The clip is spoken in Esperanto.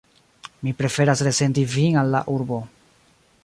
Mi preferas resendi vin al la urbo.